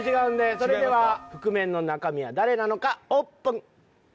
それでは覆面の中身は誰なのかオープン。